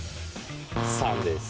３です。